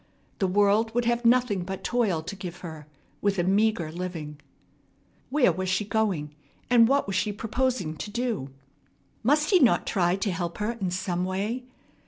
The world would have nothing but toil to give her, with a meagre living. Where was she going, and what was she proposing to do? Must he not try to help her in some way?